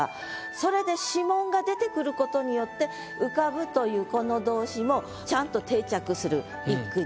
それで「指紋」が出てくることによって浮かぶというこの動詞もちゃんと定着する一句に。